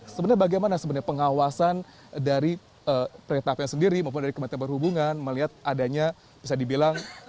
sebenarnya bagaimana sebenarnya pengawasan dari perintah af sendiri maupun dari kementerian perhubungan melihat adanya bisa dibilang